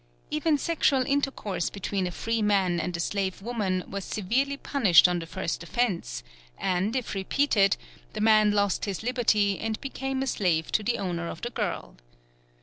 Even sexual intercourse between a free man and a slave woman was severely punished on the first offence, and, if repeated, the man lost his liberty and became a slave to the owner of the girl.